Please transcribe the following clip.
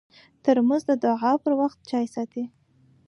ترموز د دعا پر وخت چای ساتي.